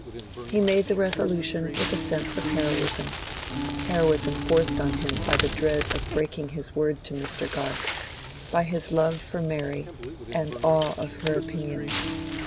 He made the resolution with a sense of heroism—heroism forced on him by the dread of breaking his word to Mr. Garth, by his love for Mary and awe of her opinion.